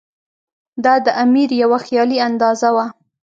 دا د امیر یوه خیالي اندازه وه.